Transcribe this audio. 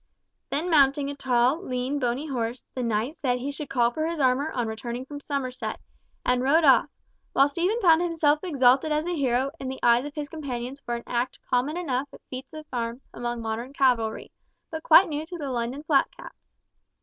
Then mounting a tall, lean, bony horse, the knight said he should call for his armour on returning from Somerset, and rode off, while Stephen found himself exalted as a hero in the eyes of his companions for an act common enough at feats of arms among modern cavalry, but quite new to the London flat caps.